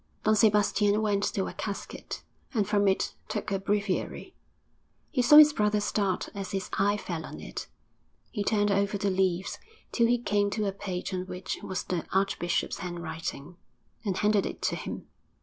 Don Sebastian went to a casket, and from it took a breviary. He saw his brother start as his eye fell on it. He turned over the leaves till he came to a page on which was the archbishop's handwriting, and handed it to him.